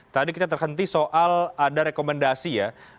tadi kita terhenti soal ada rekomendasi ya